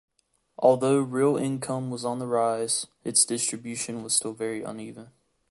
Although real income was on the rise, its distribution was still very uneven.